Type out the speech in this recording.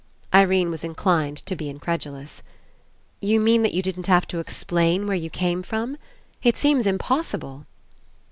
Irene was Inclined to be incredulous. "You mean that you didn't have to explain where you came from? It seems impossible."